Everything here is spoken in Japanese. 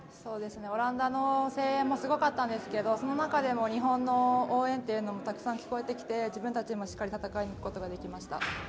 オランダの声援もすごかったんですけどその中でも日本の応援というのもしっかり聞こえてきて自分たちもしっかり戦えることができました。